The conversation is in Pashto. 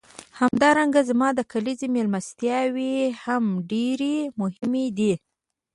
همدارنګه زما د کلیزو میلمستیاوې هم ډېرې مهمې دي.